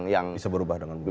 yang bisa berubah dengan